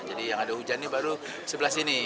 jadi yang ada hujan ini baru sebelah sini